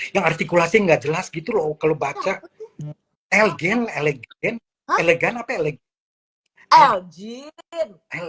yang artikulasi enggak jelas gitu loh kalau baca elgen elegen elegan apa elegen